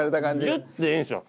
「ギュッ」でいいでしょ。